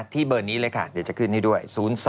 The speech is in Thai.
เบอร์นี้เลยค่ะเดี๋ยวจะขึ้นให้ด้วย๐๒